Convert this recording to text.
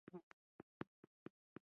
دوی د طبیعي ګازو څخه اعظمي اقتصادي ګټه غواړي